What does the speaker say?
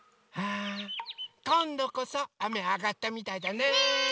あこんどこそあめあがったみたいだね！ね！